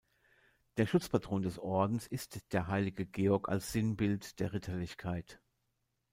Der Schutzpatron des Ordens ist der heilige Georg als Sinnbild der Ritterlichkeit.